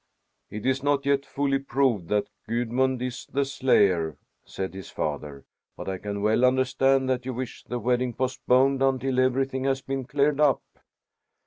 "It is not yet fully proved that Gudmund is the slayer," said his father, "but I can well understand that you wish the wedding postponed until everything has been cleared up."